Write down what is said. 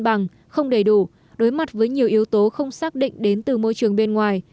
bằng không đầy đủ đối mặt với nhiều yếu tố không xác định đến từ môi trường bên ngoài